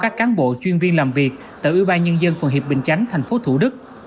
các cán bộ chuyên viên làm việc tại ủy ban nhân dân phường hiệp bình chánh tp thủ đức